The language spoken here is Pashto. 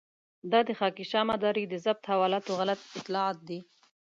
دا د خاکيشاه مداري د ضبط حوالاتو غلط اطلاعات دي.